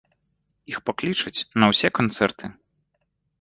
Іх паклічуць на ўсе канцэрты.